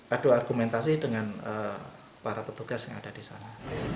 adu argumentasi dengan para petugas yang ada di sana